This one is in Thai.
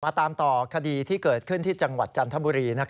ตามต่อคดีที่เกิดขึ้นที่จังหวัดจันทบุรี